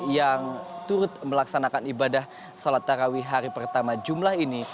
yang turut melaksanakan ibadah sholat tarawih hari pertama jumlah ini